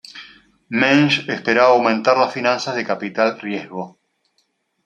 Mensch esperaba aumentar las finanzas de capital riesgo.